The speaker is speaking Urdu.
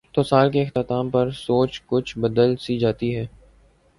تو سال کے اختتام پر سوچ کچھ بدل سی جاتی ہے۔